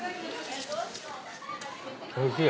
おいしい。